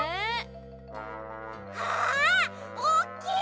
あおっきい！